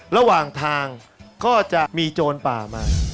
ระหว่างทางก็จะมีโจรป่ามา